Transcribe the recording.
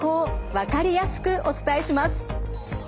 分かりやすくお伝えします。